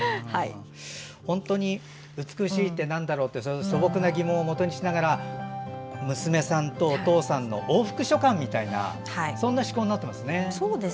本当に美しいってなんだろう？って素朴な疑問をもとにしながら娘さんとお父さんの往復書簡みたいなそんな趣向になってますね。